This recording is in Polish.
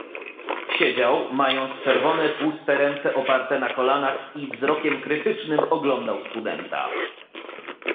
"Siedział, mając czerwone tłuste ręce oparte na kolanach i wzrokiem krytycznym oglądał studenta."